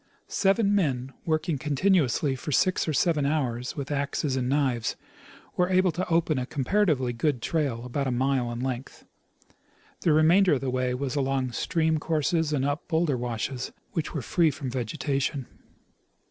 Seven men, working continuously for six or seven hours with axes and knives, were able to open a comparatively good trail about a mile in length. The remainder of the Avav was along stream courses and up bowlder washes, which were free from vegetation.